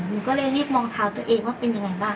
หนูก็เลยรีบมองเท้าตัวเองว่าเป็นยังไงบ้าง